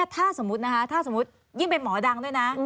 ถ้าสมมุตินะคะยิ่งเป็นหมอดังด้วยนะ